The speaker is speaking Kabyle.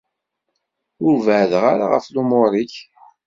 Ur beɛɛdeɣ ara ɣef lumuṛ-ik.